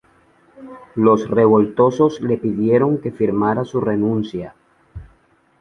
Los revoltosos le pidieron que firmara su renuncia.